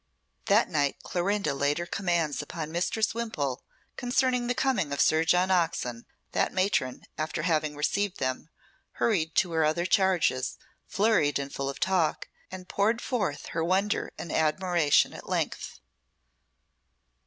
The night Clorinda laid her commands upon Mistress Wimpole concerning the coming of Sir John Oxon, that matron, after receiving them, hurried to her other charges, flurried and full of talk, and poured forth her wonder and admiration at length.